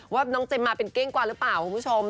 ว่าน้องเจมมาเป็นเก้งกว่าหรือเปล่าคุณผู้ชม